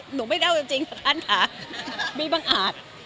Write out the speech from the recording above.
หนูไม่ได้เอาจริงค่ะท่านค่ะมีบังอาจ